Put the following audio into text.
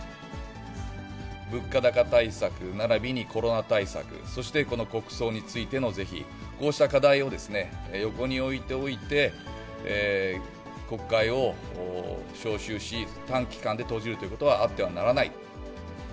物価高対策ならびにコロナ対策、そしてこの国葬についての是非、こうした課題を横に置いておいて、国会を召集し、短期間で閉じるということはあってはならない。